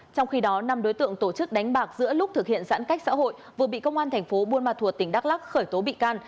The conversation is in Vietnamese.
trong khi đó năm đối tượng tổ chức đánh bạc giữa lúc thực hiện giãn cách xã hội vừa bị công an thành phố buôn ma thuột tỉnh đắk lắc khởi tố bị can